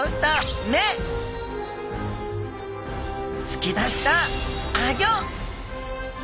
つき出したアギョ！